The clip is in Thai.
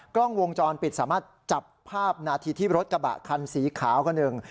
กล้องวงจรปิดสามารถจับภาพนาทีที่รถกระบะคันสีขาวคนหนึ่ง